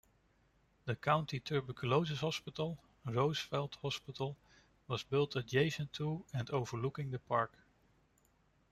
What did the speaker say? The county tuberculosis hospital-Roosevelt Hospital-was built adjacent to and overlooking the park.